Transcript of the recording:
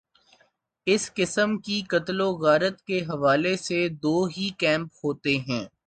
اس قسم کی قتل وغارت کے حوالے سے دو ہی کیمپ ہوتے ہیں۔